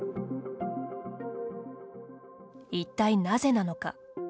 一体なぜなのか。